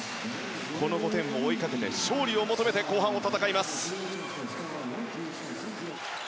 この５点を追いかけて勝利を求めて後半を戦います。